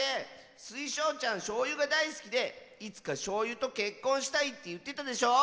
スイショウちゃんしょうゆがだいすきでいつかしょうゆとけっこんしたいっていってたでしょ。